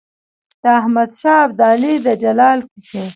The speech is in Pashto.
د احمد شاه ابدالي د جلال کیسې.